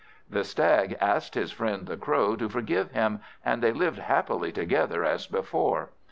The Stag asked his friend the Crow to forgive him, and they lived happily together as before.